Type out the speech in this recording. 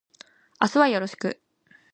明日はよろしく